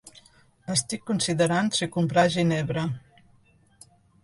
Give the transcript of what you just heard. Estic considerant si comprar ginebra.